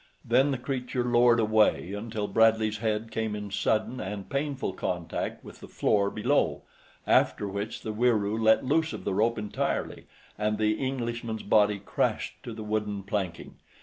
Then the creature lowered away until Bradley's head came in sudden and painful contact with the floor below, after which the Wieroo let loose of the rope entirely and the Englishman's body crashed to the wooden planking.